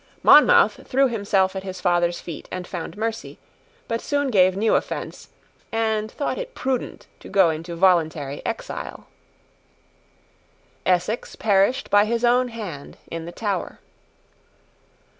Monmouth threw himself at his father's feet and found mercy, but soon gave new offence, and thought it prudent to go into voluntary exile. Essex perished by his own hand in the Tower.